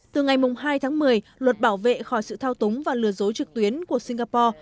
từ ngày hai tháng một mươi luật bảo vệ khỏi sự thao túng và lừa dối trực tuyến của singapore